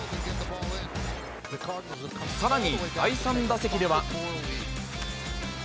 さらに第３打席では。